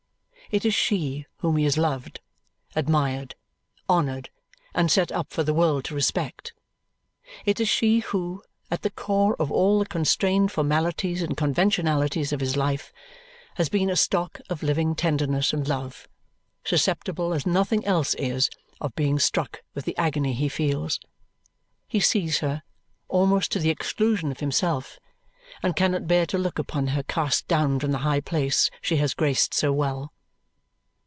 It is she whom he has loved, admired, honoured, and set up for the world to respect. It is she who, at the core of all the constrained formalities and conventionalities of his life, has been a stock of living tenderness and love, susceptible as nothing else is of being struck with the agony he feels. He sees her, almost to the exclusion of himself, and cannot bear to look upon her cast down from the high place she has graced so well.